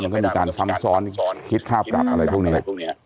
มันก็มีการซ้ำซ้อนคิดคาบกลับอะไรตรงนี้